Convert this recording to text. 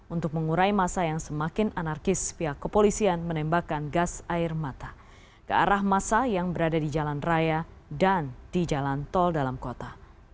untuk mengurai masa yang semakin anarkis pihak kepolisian menembakkan gas air mata ke arah masa yang berada di jalan raya dan di jalan tol dalam kota